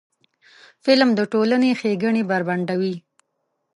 فلم د ټولنې ښېګڼې بربنډوي